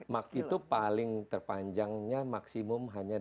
mak itu paling terpanjangnya maksimum hanya dua empat